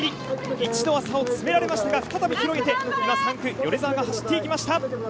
一度差を詰められましたが再び広げて３区米澤が走っていきました。